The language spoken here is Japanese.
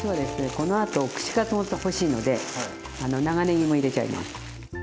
このあと串カツほんと欲しいので長ねぎも入れちゃいます。